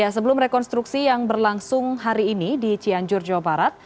sebelum rekonstruksi yang berlangsung hari ini di cianjur jawa barat